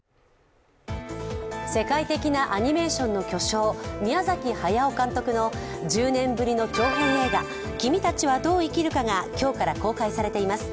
世界的なアニメーションの巨匠宮崎駿監督の１０年ぶりの長編映画「君たちはどう生きるか」が今日から公開されています。